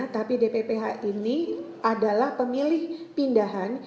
tapi dpph ini adalah pemilih pindahan